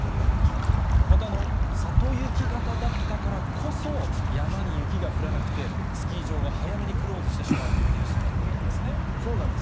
また、里雪型だったからこそ、山に雪が降らなくて、スキー場が早めにクローズしてしまうというニュースになっているそうなんです。